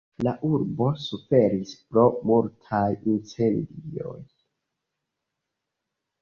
La urbo suferis pro multaj incendioj.